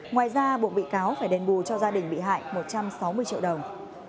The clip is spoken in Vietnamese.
ngoài ra buộc bị cáo phải đền bù cho gia đình bị hại một trăm sáu mươi triệu đồng